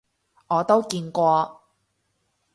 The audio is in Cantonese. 我都見過